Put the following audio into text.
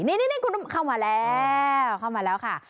นี่คุณเข้ามาแล้วเข้ามาแล้วค่ะ